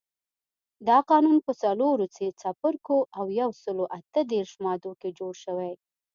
دا قانون په څلورو څپرکو او یو سلو اته دیرش مادو کې جوړ شوی.